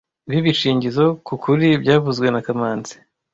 Ibi bishingizoe ku kuri byavuzwe na kamanzi